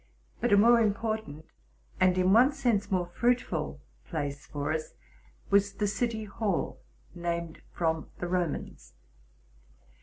But a more important, and in one sense more fruitful, place for us, was the city hall, named from the Romans.